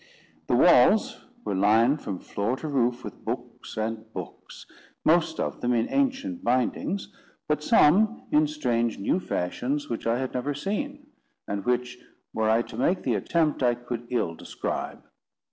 The walls were lined from floor to roof with books and books: most of them in ancient bindings, but some in strange new fashions which I had never seen, and which, were I to make the attempt, I could ill describe.